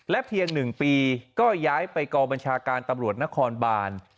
เพียง๑ปีก็ย้ายไปกองบัญชาการตำรวจนครบาน